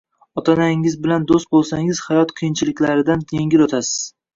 Ota-onangiz bilan do‘st bo‘lsangiz hayot qiyinchiliklaridan yengil o‘tasiz.